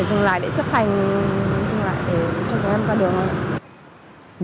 dừng lại để cho chúng em qua đường thôi